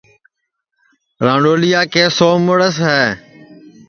رانڈؔولیا کے سو مُڑس ہے